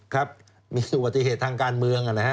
ครับมีอุบัติเหตุทางการเมืองนะฮะ